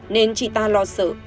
nên chỉ ta lo sợ